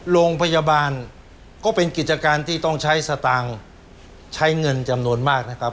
โรงพยาบาลก็เป็นกิจการที่ต้องใช้สตางค์ใช้เงินจำนวนมากนะครับ